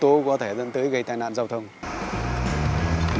đây là một trong những cái mà chúng ta phải làm